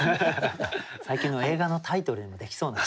最近の映画のタイトルにもできそうな。